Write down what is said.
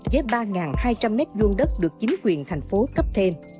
với ba hai trăm linh mét vuông đất được chính quyền thành phố cấp thêm